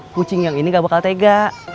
kucing yang ini gak bakal tega